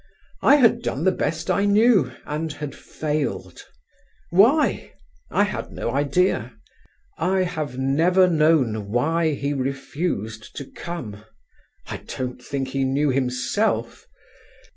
I had done the best I knew and had failed. Why? I had no idea. I have never known why he refused to come. I don't think he knew himself.